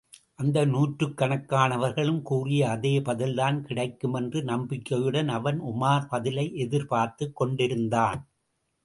அந்த நூற்றுக் கணக்கானவர்களும் கூறிய அதே பதில்தான் கிடைக்குமென்று நம்பிக்கையுடன் அவன் உமார் பதிலை எதிர்பார்த்துக் கொண்டிருந்தான்.